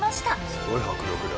すごい迫力だ。